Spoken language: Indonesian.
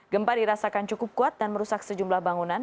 gempa dirasakan cukup kuat dan merusak sejumlah bangunan